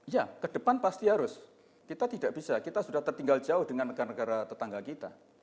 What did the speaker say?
ya ke depan pasti harus kita tidak bisa kita sudah tertinggal jauh dengan negara negara tetangga kita